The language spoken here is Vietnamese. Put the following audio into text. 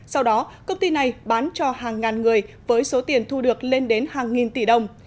sau đó công ty này bán cho hàng ngàn người với số tiền thu được lên đến hàng nghìn tỷ đồng